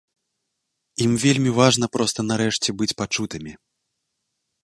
Ім вельмі важна проста нарэшце быць пачутымі.